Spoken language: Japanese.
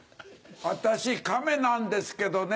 私カメなんですけどね